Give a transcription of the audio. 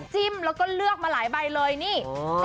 แล้วก็เลือกมาหลายใบเลยนี่